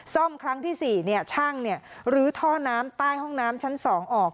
ซ่อมครั้งที่สี่เนี่ยช่างเนี่ยลื้อท่อน้ำใต้ห้องน้ำชั้นสองออก